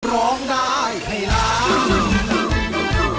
ร้องได้ให้ล้าน